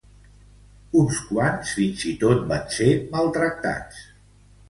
Uns quants fins i tot van ser maltractats.